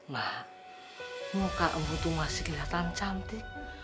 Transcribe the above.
mak muka emu tuh masih kelihatan cantik